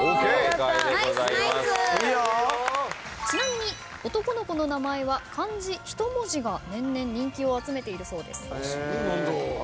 ちなみに男の子の名前は漢字１文字が年々人気を集めているそうです。